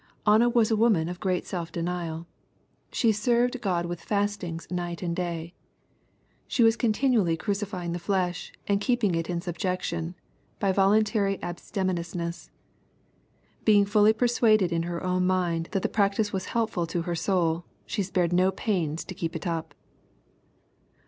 Anna was a woman of great self deniaL She " served God with festings night and day." She was continually crucifying the flesh and keeping it in subjection by vol untary abstemiousness. Being fuUy persuaded in her own mind that the practice was helpful to her soul, she spared no pains to keep it up.